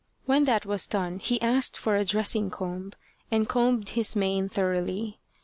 When that was done he asked for a dressing comb, and combed his mane thoroughly.